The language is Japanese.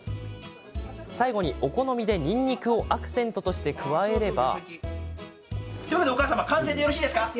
最後に、お好みでにんにくをアクセントとして加えれば。